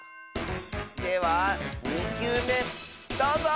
では２きゅうめどうぞ！